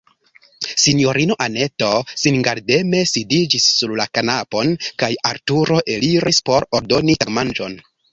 Sinjorino Anneto singardeme sidiĝis sur la kanapon, kaj Arturo eliris, por ordoni tagmanĝon.